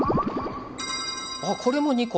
あっこれも２個。